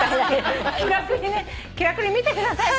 気楽に見てください。